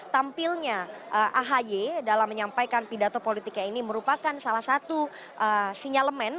tampilnya ahi dalam menyampaikan pidato politiknya ini merupakan salah satu sinyalemen